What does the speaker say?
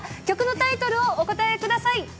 曲のタイトルをお答えください。